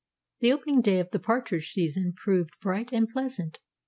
The opening day of the partridge season proved bright and pleasant.